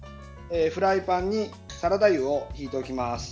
フライパンにサラダ油をひいていきます。